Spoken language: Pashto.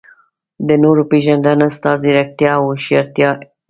د نورو پېژندنه ستا ځیرکتیا او هوښیارتیا ده.